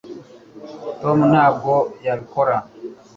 tom ntabwo yabikora